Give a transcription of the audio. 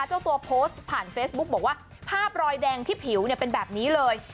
เจ้าตัวโพสต์ผ่านเฟซบุ๊กบอกว่าภาพรอยแดงที่ผิวเนี่ยเป็นแบบนี้เลย